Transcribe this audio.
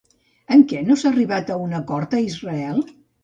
En què no s'ha arribat a un acord a Israel?